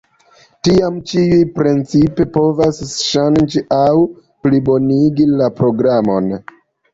Tiam ĉiuj principe povas ŝanĝi aŭ plibonigi la programon.